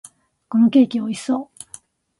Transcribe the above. このケーキ、美味しそう！